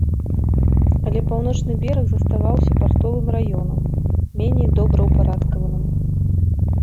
Але паўночны бераг заставаўся партовым раёнам, меней добраўпарадкаваным.